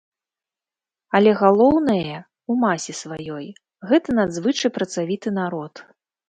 Але галоўнае, у масе сваёй, гэта надзвычай працавіты народ.